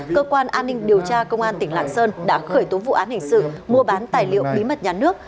cơ quan an ninh điều tra công an tỉnh lạng sơn đã khởi tố vụ án hình sự mua bán tài liệu bí mật nhà nước